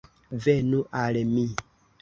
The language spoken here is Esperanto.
Venu al mi!